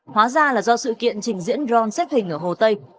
hóa ra là do sự kiện trình diễn dron xếp hình ở hồ tây